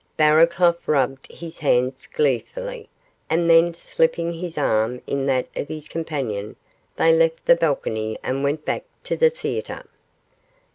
Barraclough rubbed his hands gleefully, and then slipping his arm in that of his companion they left the balcony and went back to the theatre.